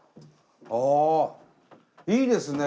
ああいいですね。